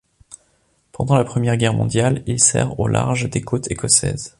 Pendant la Première Guerre mondiale, il sert au large des côtes écossaises.